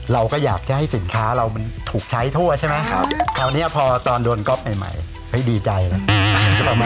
เราก็อยากจะให้สินค้าเราถูกใช้ทั่วใช่ไหม